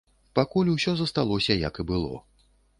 Пакуль усё засталося, як і было.